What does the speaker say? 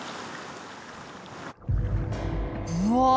うわ！